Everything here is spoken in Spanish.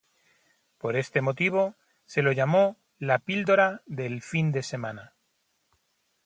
Por este motivo se lo llamó "la píldora del fin de semana".